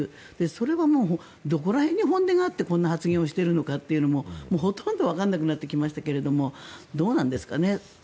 それはもうどこら辺に本音があってこんな発言をしているのかもほとんどわからなくなってきましたがどうなんですかね。